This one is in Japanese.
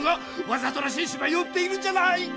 わざとらしいしばいをうっているんじゃない！